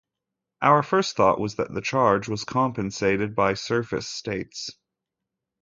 Our first thought was that the charge was compensated by surface states.